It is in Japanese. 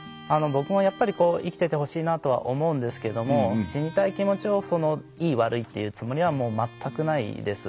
僕も生きててほしいなと思うんですけども死にたい気持ちをいい悪いって言うつもりはもう全くないです。